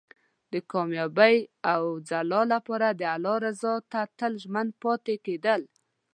د کامیابۍ او ځلا لپاره د الله رضا ته تل ژمن پاتې کېدل.